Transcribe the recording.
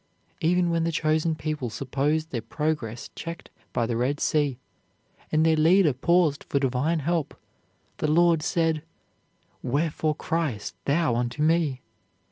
Even when the Chosen People supposed their progress checked by the Red Sea, and their leader paused for Divine help, the Lord said, "Wherefore criest thou unto me?